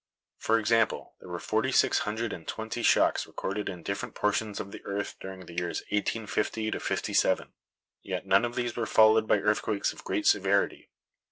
For example, there were forty six hundred and twenty shocks recorded in different portions of the earth during the years 1850 57; yet none of these were followed by earthquakes of great severity.